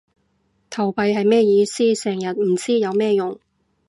投幣係咩意思？成日唔知有咩用